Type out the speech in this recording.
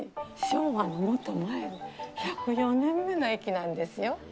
昭和のもっと前、１０４年目の駅なんですよ。